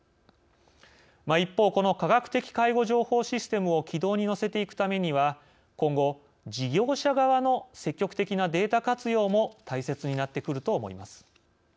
一方この科学的介護情報システムを軌道に乗せていくためには今後事業者側の積極的なデータ活用も大切になってくると思います。